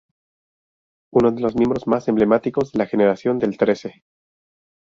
Uno de los miembros más emblemáticos de la generación del trece.